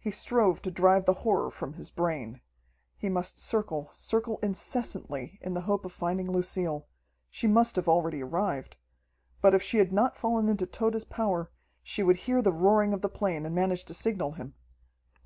He strove to drive the horror from his brain. He must circle, circle incessantly, in the hope of finding Lucille. She must have already arrived. But if she had not fallen into Tode's power, she would hear the roaring of the plane and manage to signal him.